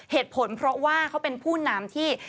เหตุผลเพราะว่าเขาเป็นผู้นำที่